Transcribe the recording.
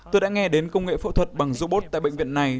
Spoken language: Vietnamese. tôi đã nghe đến công nghệ phẫu thuật bằng robot tại bệnh viện này